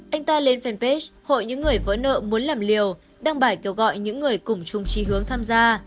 anh ta lên fanpage hội những người vỡ nợ muốn làm liều đăng bài kêu gọi những người cùng chung trí hướng tham gia